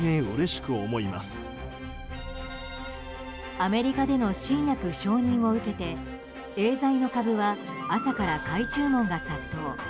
アメリカでの新薬承認を受けてエーザイの株は朝から買い注文が殺到。